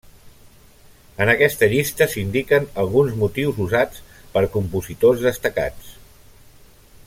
En aquesta llista s'indiquen alguns motius usats per compositors destacats.